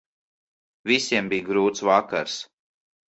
Visiem bija grūts vakars.